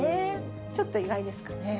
ちょっと意外ですかね。